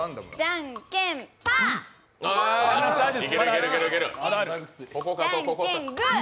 じゃんけん、グー。